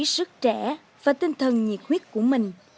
sức trẻ và tinh thần nhiệt huyết của mình